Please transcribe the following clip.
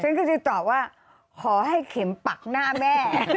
ก็จะตอบว่าขอให้เข็มปักหน้าแม่